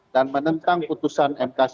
dan menentang putusan mk sembilan puluh satu